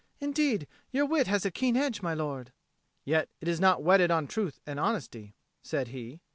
"Indeed your wit has a keen edge, my lord." "Yet it is not whetted on truth and honesty," said he.